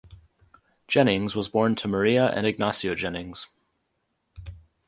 Jennings was born to Maria and Ignacio Jennings.